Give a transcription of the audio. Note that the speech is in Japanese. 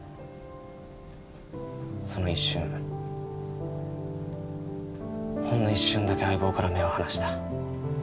その一瞬ほんの一瞬だけ相棒から目を離した。